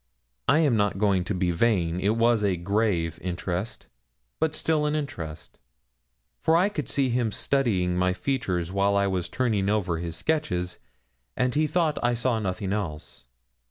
I am not going to be vain. It was a grave interest, but still an interest, for I could see him studying my features while I was turning over his sketches, and he thought I saw nothing else.